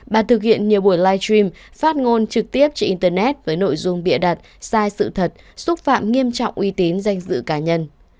bà thực hiện nhiều buổi live stream phát ngôn trực tiếp trên internet với nội dung bịa đặt sai sự thật xúc phạm nghiêm trọng uy tín danh dự cá nhân